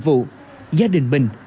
vụ gia đình mình